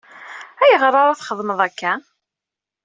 Ayɣeṛ ara txemmemeḍ akka?